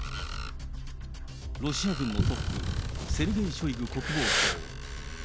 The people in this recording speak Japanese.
ロシア軍のトップ、セルゲイ・ショイグ国防相。